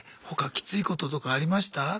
他きついこととかありました？